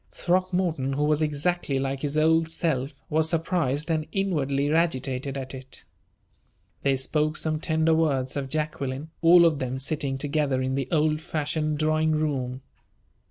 Throckmorton, who was exactly like his old self, was surprised and inwardly agitated at it. They spoke some tender words of Jacqueline, all of them sitting together in the old fashioned drawing room.